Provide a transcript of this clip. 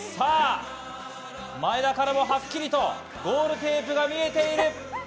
前田からもはっきりとゴールテープが見えている。